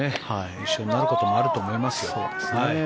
一緒になることもあると思います。